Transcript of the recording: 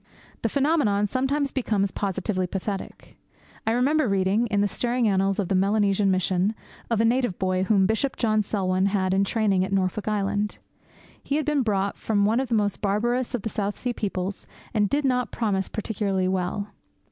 The phenomenon sometimes becomes positively pathetic. I remember reading, in the stirring annals of the Melanesian Mission, of a native boy whom Bishop John Selwyn had in training at Norfolk Island. He had been brought from one of the most barbarous of the South Sea peoples, and did not promise particularly well.